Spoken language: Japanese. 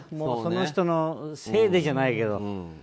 その人のせいでじゃないけど。